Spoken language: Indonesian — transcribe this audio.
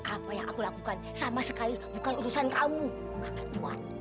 apa yang aku lakukan sama sekali bukan urusan kamu bahkan uang